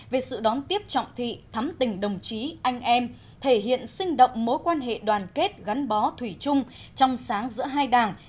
về sự đón tiếp trọng thị thắm tình đồng chí anh em thể hiện sinh động mối quan hệ đoàn kết gắn bó thủy chung trong sáng giữa hai đảng